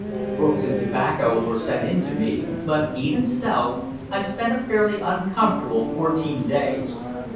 Books and tobacco were sent in to me; but, even so, I spent a fairly uncomfortable fourteen days.